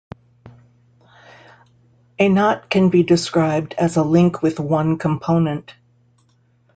A knot can be described as a link with one component.